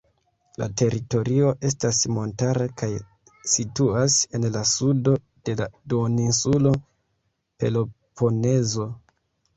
La teritorio estas montara kaj situas en la sudo de la duoninsulo Peloponezo.